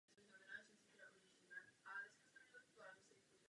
Všechna zdejší sídla mají formu kolektivního mošavu nebo individuální společné osady.